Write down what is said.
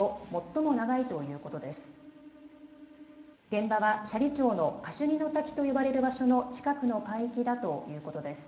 現場は、斜里町のカシュニの滝と呼ばれる場所の近くの海域だということです。